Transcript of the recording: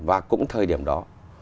và cũng thời điểm đó